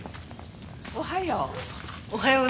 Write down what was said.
おはよう。